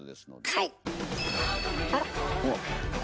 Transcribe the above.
はい。